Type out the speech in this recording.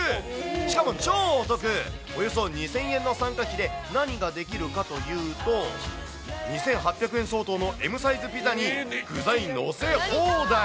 しかも超お得、およそ２０００円の参加費で何ができるかというと、２８００円相当のＭサイズピザに具材載せ放題。